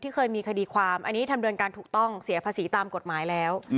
เคยมีคดีความอันนี้ทำเดินการถูกต้องเสียภาษีตามกฎหมายแล้ว